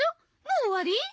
もう終わり？